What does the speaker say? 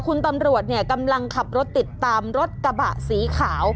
คุณตำรวจเนี่ยกำลังขับรถติดตามรถกระบะสีขาว